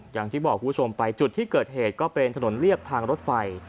อย่างที่บอกคุณผู้ชมไปจุดที่เกิดเหตุก็เป็นถนนเรียบทางรถไฟ